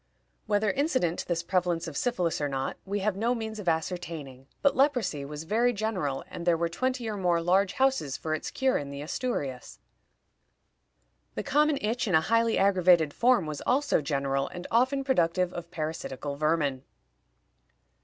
Whether incident to this prevalence of syphilis or not, we have no means of ascertaining, but leprosy was very general, and there were twenty or more large houses for its cure in the Asturias. The common itch in a highly aggravated form was also general, and often productive of parasitical vermin.